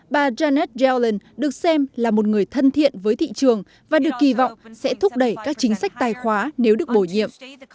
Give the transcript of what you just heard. bà janet yellen được xem là một người thân thiện với thị trường và được kỳ vọng sẽ thúc đẩy các chính sách tài khoá nếu được bổ nhiệm